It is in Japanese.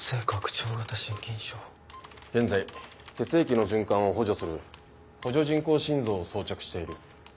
現在血液の循環を補助する補助人工心臓を装着している。